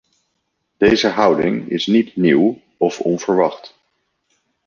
Deze houding is niet nieuw of onverwacht.